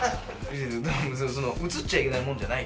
映っちゃいけないもんじゃないから。